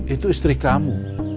itu istri kamu